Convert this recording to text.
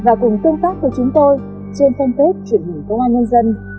a cồng truyện hình công an